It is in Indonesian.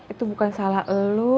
itu bukan salah elu